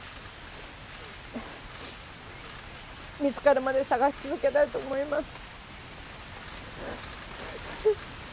見つかるまで捜し続けたいと思います。